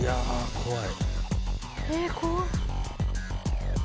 怖い！